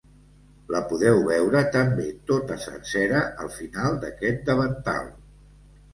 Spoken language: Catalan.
La podeu veure també tota sencera al final d’aquest davantal.